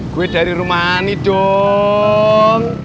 gue dari rumah ini dong